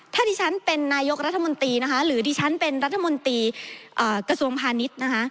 ถ้าดิฉันเป็นนายกรัฐมนตรีนะคะหรือดิฉันเป็นรัฐมนตรีกระทรวงพาณิชย์นะคะ